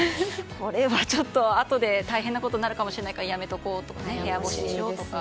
これはちょっとあとで大変なことになるかもしれないからやめとこうとか部屋干ししようとか。